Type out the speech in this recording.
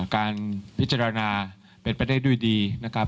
การพิจารณาเป็นไปได้ด้วยดีนะครับ